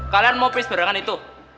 kalian mau pis barengan itu